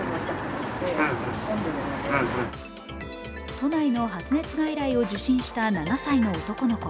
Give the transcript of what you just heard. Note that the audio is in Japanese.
都内の発熱外来を受診した７歳の男の子。